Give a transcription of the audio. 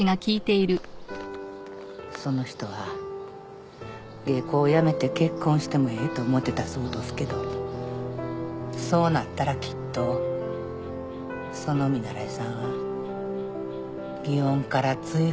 その人は芸妓を辞めて結婚してもええと思うてたそうどすけどそうなったらきっとその見習いさんは祇園から追放される。